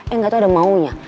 eh gak tau ada maunya